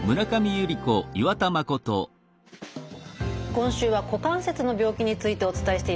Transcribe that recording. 今週は股関節の病気についてお伝えしています。